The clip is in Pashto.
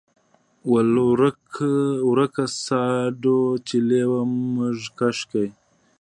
ول ورکه ساډو چې لېوه مږه کش کي.